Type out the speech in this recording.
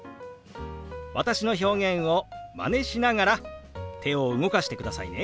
私の表現をマネしながら手を動かしてくださいね。